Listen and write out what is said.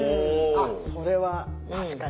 あっそれは確かに。